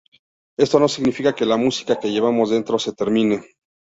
Esto no significa que la música que llevamos dentro se termine.